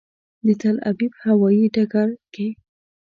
د تل ابیب هوایي ډګر کې.